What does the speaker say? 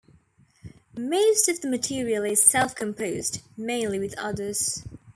Most of the material is self-composed, mainly with others.